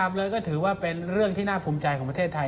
แล้วก็ถือว่าเป็นเรื่องที่น่าภูมิใจของประเทศไทย